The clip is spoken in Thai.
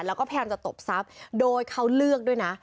แล้วก็พยายามจะกรรมซับโดยเขาเลือกด้วยน่ะ